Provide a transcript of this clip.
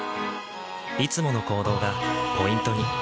いつもの行動がポイントに。